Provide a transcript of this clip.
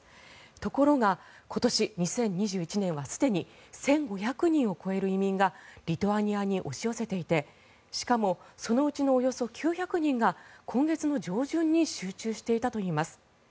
ところが、今年２０２１年はすでに１５００人を超える移民がリトアニアに押し寄せていてしかもそのうちのおよそ９００人が今月の上旬に集中していたといいます。